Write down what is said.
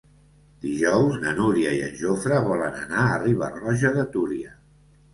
Dijous na Núria i en Jofre volen anar a Riba-roja de Túria.